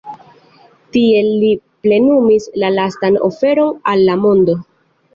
Tiel li plenumis la lastan oferon al la mondo.